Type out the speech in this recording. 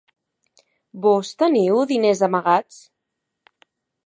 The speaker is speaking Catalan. Vós teniu diners amagats?